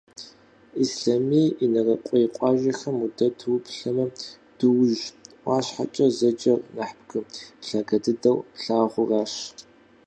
Ислъэмей, Инарыкъуей къуажэхэм удэту уплъэмэ, Дуужь ӏуащхьэкӏэ зэджэр нэхъ бгы лъагэ дыдэу плъагъуращ.